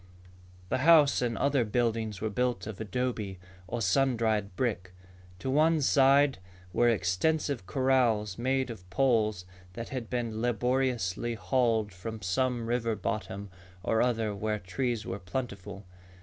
The house and other buildings were built of adobe, or sun dried brick. To one side were extensive corrals made of poles that had been laboriously hauled from some river bottom or other where trees were plentiful.